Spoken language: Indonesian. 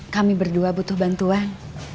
kami berdua butuh bantuan